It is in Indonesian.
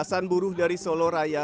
belasan buruh dari solo raya